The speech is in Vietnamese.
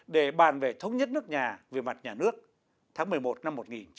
để bàn về thống nhất đất nước về mặt nhà nước tháng một mươi một năm một nghìn chín trăm bảy mươi năm